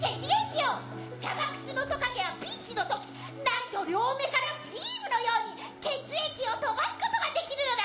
サバクツノトカゲはピンチの時なんと両目からビームのように血液をとばすことができるのだ！